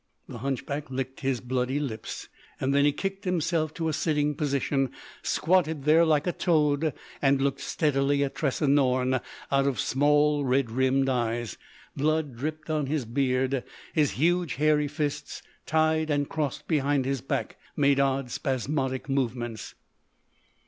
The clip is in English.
The hunchback licked his bloody lips. Then he kicked himself to a sitting position, squatted there like a toad and looked steadily at Tressa Norne out of small red rimmed eyes. Blood dripped on his beard; his huge hairy fists, tied and crossed behind his back, made odd, spasmodic movements.